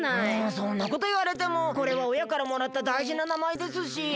えそんなこといわれてもこれはおやからもらっただいじななまえですし。